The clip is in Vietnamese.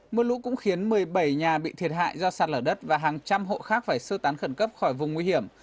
mưa lũ cũng khiến một mươi bảy nhà bị thiệt hại do sạt lở đất và hàng trăm hộ khác phải sơ tán khẩn cấp khỏi vùng nguy hiểm